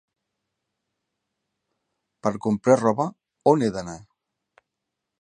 Per comprar roba, on he d'anar?